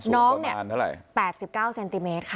น้องเนี่ย๘๙เซนติเมตรค่ะ